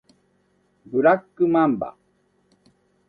ブラックマンバ